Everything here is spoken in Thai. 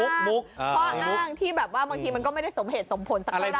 ข้ออ้างที่แบบว่าบางทีมันก็ไม่ได้สมเหตุสมผลสักเท่าไห